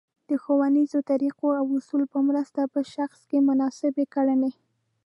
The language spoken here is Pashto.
د ښونیزو طریقو او اصولو په مرسته په شخص کې مناسبې کړنې